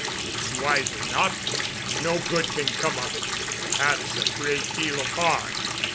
"It's wiser not to. No good can come of it—perhaps a great deal of harm."